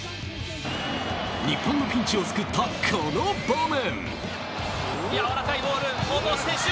日本のピンチを救ったこの場面。